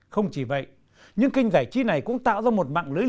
không chỉ vậy những kênh giải trí này cũng tạo ra một mạng lưới liên